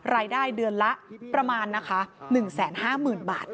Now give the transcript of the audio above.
รายได้เดือนละประมาณนะคะ๑๕๐๐๐บาท